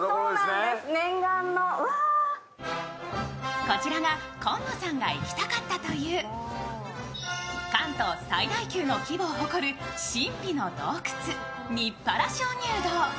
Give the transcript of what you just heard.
こちらが紺野さんが行きたかったという関東最大級の規模を誇る神秘の洞窟・日原鍾乳洞。